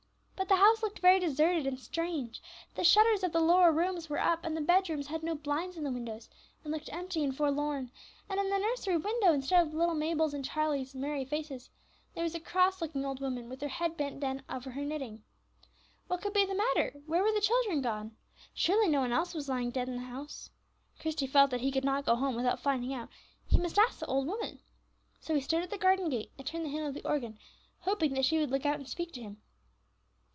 But the house looked very deserted and strange; the shutters of the lower rooms were up, and the bed rooms had no blinds in the windows and looked empty and forlorn. And in the nursery window, instead of little Mabel and Charlie's merry faces, there was a cross looking old woman with her head bent down over her knitting. What could be the matter? Where were the children gone? surely no one else was lying dead in the house. Christie felt that he could not go home without finding out; he must ask the old woman. So he stood at the garden gate, and turned the handle of the organ, hoping that she would look out and speak to him.